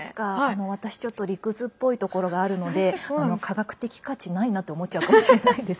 私、ちょっと理屈っぽいところがあるので科学的価値ないなと思っちゃうかもしれないです。